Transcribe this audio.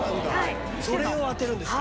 それを当てるんですか。